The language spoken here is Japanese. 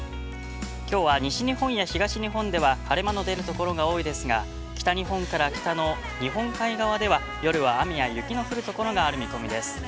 きょうは西日本や東日本では晴れ間の出るところが多いですが、北日本から北の日本海側では夜は雨や雪の降るところがある見込みです。